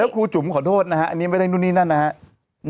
ครูจุ๋มขอโทษนะฮะอันนี้ไม่ได้นู่นนี่นั่นนะครับ